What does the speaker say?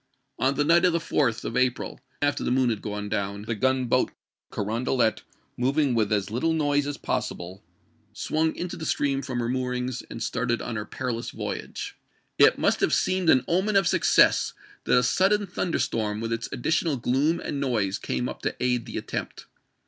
On the night of the 4th of April, after the moon had gone down, the gunboat Carondelet, moving with as little noise as possible, swung into the stream from her moorings and started on her perilous voyage. It must have seemed an omen of success that a sudden thunder storm with its additional gloom and noise came up to aid the attempt.